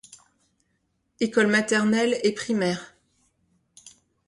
École maternelle et primaire.